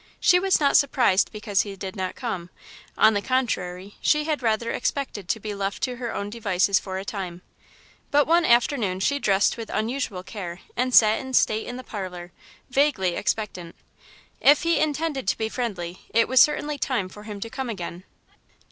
She was not surprised because he did not come; on the contrary, she had rather expected to be left to her own devices for a time, but one afternoon she dressed with unusual care and sat in state in the parlour, vaguely expectant. If he intended to be friendly, it was certainly time for him to come again.